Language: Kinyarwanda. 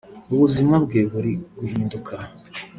ubuzima bwe buri guhinduka